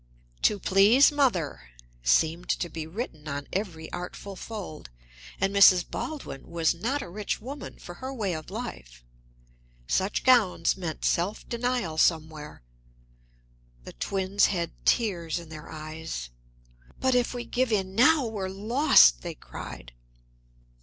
"To please Mother" seemed to be written on every artful fold. And Mrs. Baldwin was not a rich woman, for her way of life; such gowns meant self denial somewhere. The twins had tears in their eyes. "But if we give in now, we're lost!" they cried.